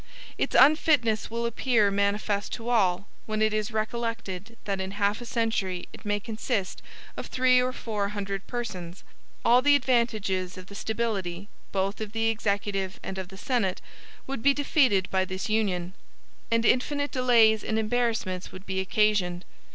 Its unfitness will appear manifest to all, when it is recollected that in half a century it may consist of three or four hundred persons. All the advantages of the stability, both of the Executive and of the Senate, would be defeated by this union, and infinite delays and embarrassments would be occasioned.